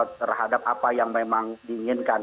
terhadap apa yang memang diinginkan